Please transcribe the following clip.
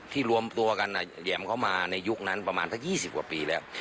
รวมตัวกันแหยมเข้ามาในยุคนั้นประมาณสัก๒๐กว่าปีแล้ว